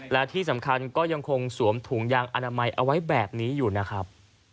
และที่สำคัญก็ยังคงสวมถุงยางอนามัยเอาไว้แบบนี้อยู่นะครับ